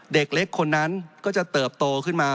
เด็กเล็กคนนั้นก็จะเติบโตขึ้นมา